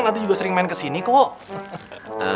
nanti juga sering main kesini kok